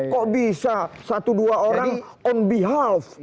kok bisa satu dua orang on behalf